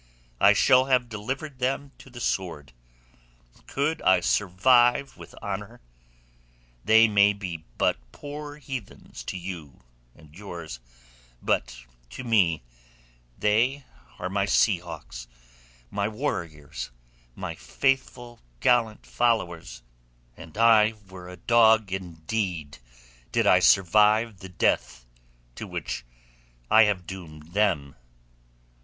I shall have delivered them to the sword. Could I survive with honour? They may be but poor heathens to you and yours, but to me they are my sea hawks, my warriors, my faithful gallant followers, and I were a dog indeed did I survive the death to which I have doomed them."